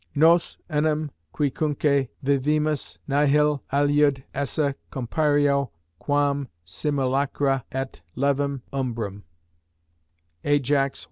(Nos enim, quicunque vivimus, nihil aliud esse comperio quam simulacra et levem umbram.)